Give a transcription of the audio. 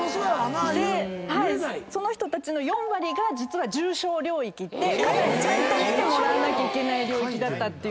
その人たちの４割が実は重症領域ってかなりちゃんと診てもらわなきゃいけない領域だったっていう。